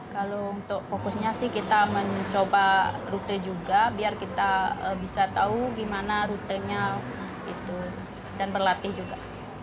kalau untuk fokusnya sih kita mencoba rute juga biar kita bisa tahu gimana rutenya dan berlatih juga